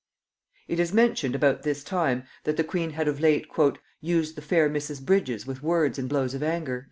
It is mentioned about this time, that the queen had of late "used the fair Mrs. Bridges with words and blows of anger."